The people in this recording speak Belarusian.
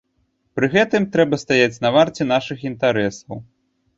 Пры гэтым трэба стаяць на варце нашых інтарэсаў.